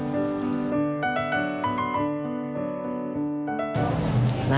ขอบคุณค่ะ